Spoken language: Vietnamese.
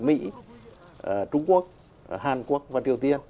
mỹ trung quốc hàn quốc và triều tiên